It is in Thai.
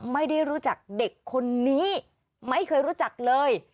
ไม่ได้รู้จักเด็กคนนี้ไม่เคยรู้จักเลย